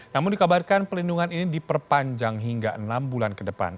namun dikabarkan pelindungan ini diperpanjang hingga enam bulan ke depan